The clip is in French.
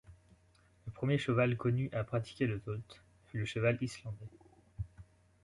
Le premier cheval connu à pratiquer le tölt fut le cheval islandais.